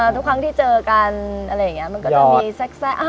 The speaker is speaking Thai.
ทุกครั้งที่เจอกันมันจะมีแทรก